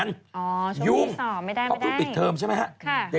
อ๋อช่วงนี้สอบไม่ได้ยุ่งเพราะครูปิดเทอมใช่ไหมฮะ